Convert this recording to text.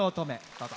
どうぞ。